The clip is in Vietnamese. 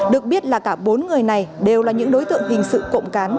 được biết là cả bốn người này đều là những đối tượng hình sự cộng cán